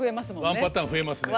ワンパターン増えますね。